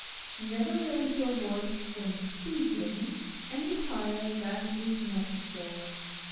Never raise your voice, when speaking, any higher than is necessary.